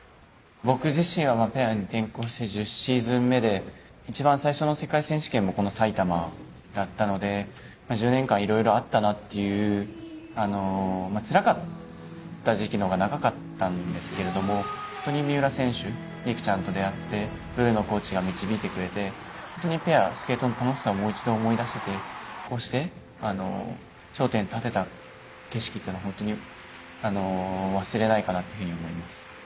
僕自身はペアに転向して１０シーズン目で一番最初の世界選手権もこのさいたまだったので１０年間いろいろあったなというつらかった時期のほうが長かったんですけど本当に三浦選手璃来ちゃんと出会ってブルーノコーチが導いてくれて本当にペア、スケートの楽しさを思い出させてくれてこうして頂点に立てた景色というのは本当に忘れないかなと思います。